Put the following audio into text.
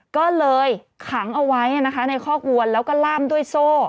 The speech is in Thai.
ก็เลยขังเอาไว้นะคะในคอกวัวแล้วก็ล่ามด้วยโซ่